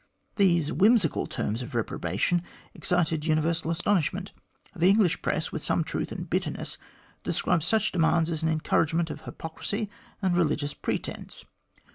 These whimsical terms of reprobation excited universal astonishment. The English Press, with some truth and bitterness, described such demands as an encouragement of hypocrisy and religious pretence.